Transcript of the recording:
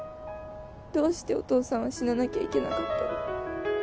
どうしてお父さんは死ななきゃいけなかったの？